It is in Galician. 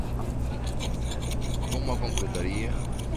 Como a concretaría?